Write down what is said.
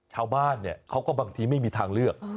ชาวบ้านเนี่ยเขาก็บางทีไม่มีทางเลือก